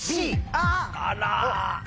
あら。